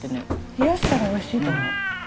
冷やしたらおいしいと思う。